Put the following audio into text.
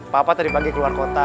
papa tadi pagi keluar kota